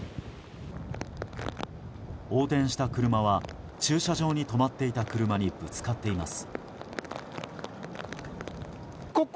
横転した車は駐車場に止まっていた車にぶつかっています。